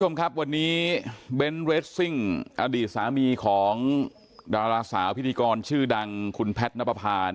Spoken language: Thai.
สวัสดีครับวันนี้เบนเรดซิ่งอดีตสามีของดาราสาวพิธีกรชื่อดังคุณแพทนปภา